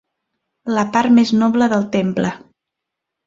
La part més noble del temple.